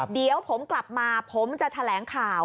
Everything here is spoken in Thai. เดี๋ยวผมกลับมาผมจะแถลงข่าว